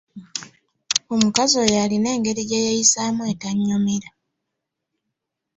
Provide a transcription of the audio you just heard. Omukazi oyo alina engeri gye yeeyisaamu etannyumira.